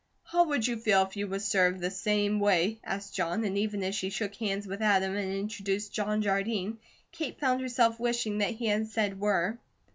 "How would you feel if you was served the same way?" asked John, and even as she shook hands with Adam, and introduced John Jardine, Kate found herself wishing that he had said "were."